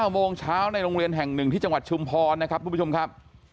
โมงเช้าในโรงเรียนแห่งหนึ่งที่จังหวัดชุมพรนะครับทุกผู้ชมครับ